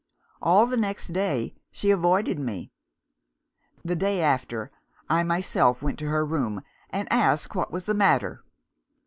All the next day, she avoided me. The day after, I myself went to her room, and asked what was the matter.